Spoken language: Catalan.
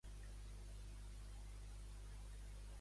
Es fa servir com a component centellejador, solvent i destil·lant.